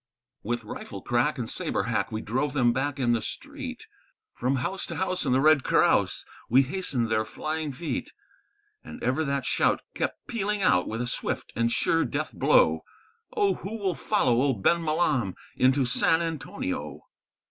With rifle crack and sabre hack we drove them back in the street; From house to house in the red carouse we hastened their flying feet; And ever that shout kept pealing out with a swift and sure death blow: _Oh, who will follow old Ben Milam into San Antonio?